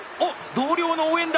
同僚の応援だ。